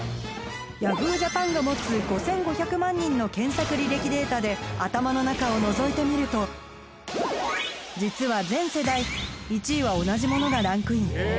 Ｙａｈｏｏ！ＪＡＰＡＮが持つ５５００万人の検索履歴データで頭の中をのぞいてみると実は全世代１位は同じものがランクイン